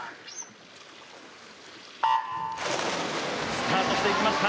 スタートしていきました。